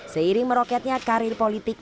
seiring meroketnya karir politik